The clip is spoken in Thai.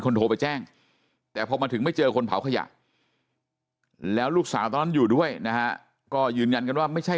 โทรไปแจ้งแต่พอมาถึงไม่เจอคนเผาขยะแล้วลูกสาวตอนนั้นอยู่ด้วยนะฮะก็ยืนยันกันว่าไม่ใช่